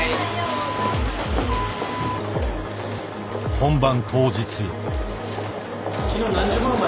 本番当日。